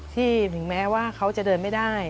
ถึงแม้ว่าเขาจะเดินไม่ได้